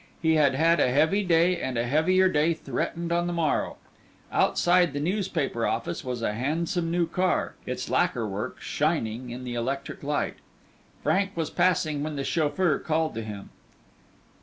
He had had a heavy day, and a heavier day threatened on the morrow. Outside the newspaper office was a handsome new car, its lacquer work shining in the electric light. Frank was passing when the chauffeur called him.